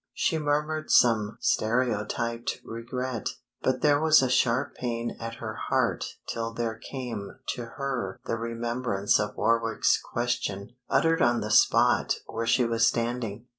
She murmured some stereotyped regret, but there was a sharp pain at her heart till there came to her the remembrance of Warwick's question, uttered on the spot where she was standing.